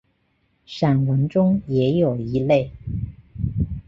散文中也有一类。